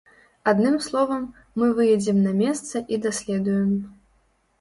Адным словам, мы выедзем на месца і даследуем.